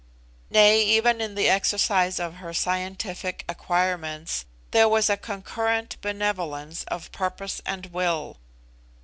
Nay, even in the exercise of her scientific acquirements there was a concurrent benevolence of purpose and will.